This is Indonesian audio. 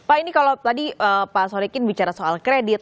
pak ini kalau tadi pak sodikin bicara soal kredit